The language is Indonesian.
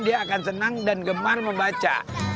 dia akan senang dan gemar membaca